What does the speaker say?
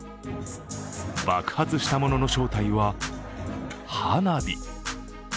爆発したものの正体は花火。